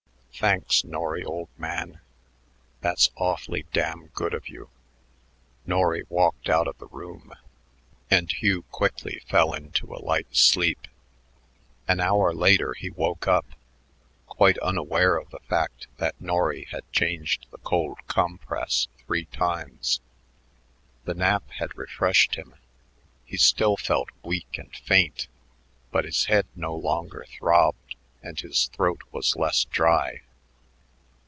"Thanks, Norry old man. That's awfully damn good of you." Norry walked out of the room, and Hugh quickly fell into a light sleep. An hour later he woke up, quite unaware of the fact that Norry had changed the cold compress three times. The nap had refreshed him. He still felt weak and faint; but his head no longer throbbed, and his throat was less dry.